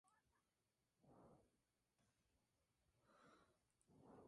Como resultado, no se produjeron muertes ni daños.